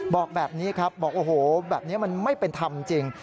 บอกแบบนี้ครับบอกโอ้โหแบบนี้มันไม่เป็นธรรมจริง